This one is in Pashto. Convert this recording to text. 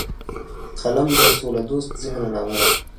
قلم د سولهدوست ذهن علامه ده